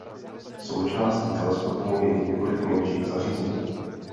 Součástí teleskopu je i několik menších zařízení.